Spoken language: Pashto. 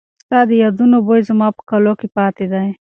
ستا د یادونو بوی زما په کالو کې پاتې دی.